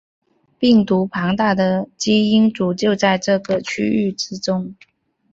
病毒庞大的基因组就在这个区域之中。